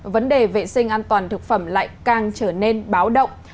cơ thể vệ sinh an toàn thực phẩm lại càng trở nên báo động